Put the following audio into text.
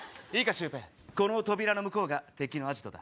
シュウペイこの扉の向こうが敵のアジトだ。